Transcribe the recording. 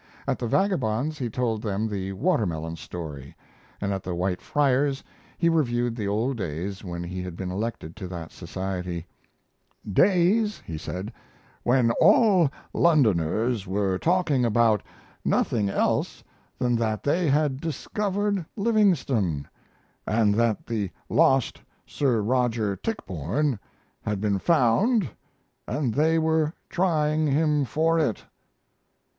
At the Vagabonds he told them the watermelon story, and at the White Friars he reviewed the old days when he had been elected to that society; "days," he said, "when all Londoners were talking about nothing else than that they had discovered Livingstone, and that the lost Sir Roger Tichborne had been found and they were trying him for it."